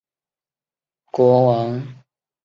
他是亚尔诺第八任国王。